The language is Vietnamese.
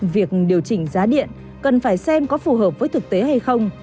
việc điều chỉnh giá điện cần phải xem có phù hợp với thực tế hay không